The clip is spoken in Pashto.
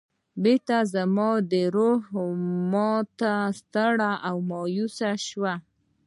بېرته زما روح ما ته ستړی او مایوسه راشي.